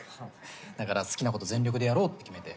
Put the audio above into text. だから好きなこと全力でやろうって決めて。